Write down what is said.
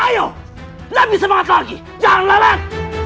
ayo lebih semangat lagi jangan lewat